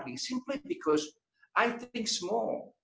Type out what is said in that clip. saya berjuang hanya karena saya berpikir kecil